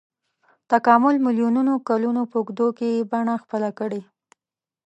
تکامل میلیونونو کلونو په اوږدو کې یې بڼه خپله کړې.